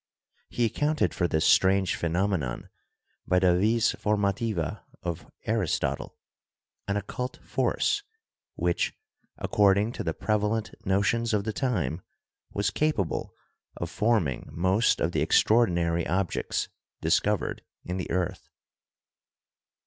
He accounted for this strange phe nomenon by the "vis formativa" of Aristotle, an occult force, which, according to the prevalent notions of the time, was capable of forming most of the extraordinary objects discovered in the earth.